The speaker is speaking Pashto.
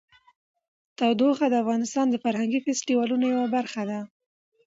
تودوخه د افغانستان د فرهنګي فستیوالونو یوه برخه ده.